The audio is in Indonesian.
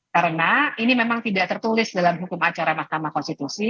karena ini memang tidak tertulis dalam hukum acara mahkamah konstitusi